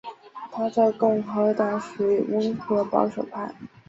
他在共和党内属于温和保守派。